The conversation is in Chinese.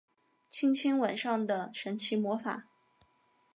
轻轻吻上的神奇魔法